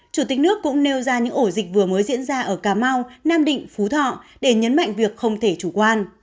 chủ tịch nước cũng nêu ra những ổ dịch vừa mới diễn ra ở cà mau nam định phú thọ để nhấn mạnh việc không thể chủ quan